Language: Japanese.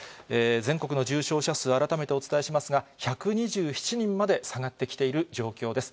全国の重症者数、改めてお伝えしますが、１２７人まで下がってきている状況です。